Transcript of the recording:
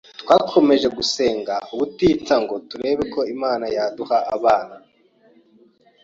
twakomeje gusenga ubutitsa ngo turebe ko Imana yaduha abana